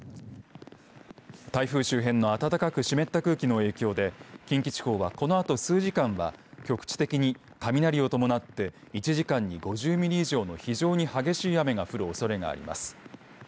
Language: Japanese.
台風周辺の暖かく湿った空気の影響で近畿地方は、このあと数時間は局地的に雷を伴って、１時間に５０ミリ以上の非常に激しい雨が降るおそれがあります。